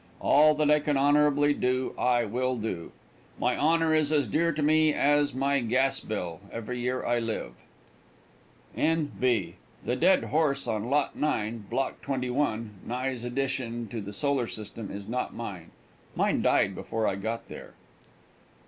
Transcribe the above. All that I can honorably do, I will do. My honor is as dear to me as my gas bill every year I live. N. B. The dead horse on lot 9, block 21, Nye's Addition to the Solar System, is not mine. Mine died before I got there.